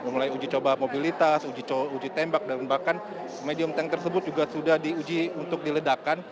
mulai uji coba mobilitas uji tembak dan bahkan medium tank tersebut juga sudah diuji untuk diledakkan